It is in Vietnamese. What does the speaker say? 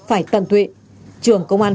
phải tận tuyện trường công an